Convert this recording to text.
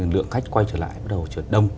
lượng khách quay trở lại bắt đầu trở đông